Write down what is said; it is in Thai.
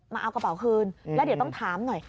มาเอากระเป๋าคืนแล้วเดี๋ยวต้องถามหน่อย